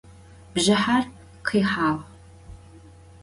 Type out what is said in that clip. Bjjıher khihağ.